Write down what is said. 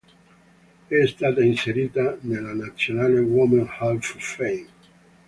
È stata inserita nella National Women's Hall of Fame.